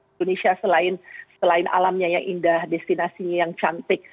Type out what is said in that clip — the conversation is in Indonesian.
indonesia selain alamnya yang indah destinasinya yang cantik